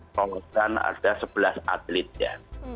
kalau kan ada sebelas atlet ya